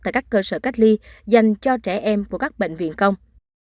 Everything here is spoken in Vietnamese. tại các cơ sở cách ly dành cho trẻ em của các bệnh viện công